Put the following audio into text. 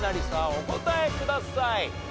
お答えください。